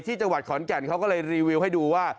จังหวัดขอนแก่นเขาก็เลยรีวิวให้ดูว่า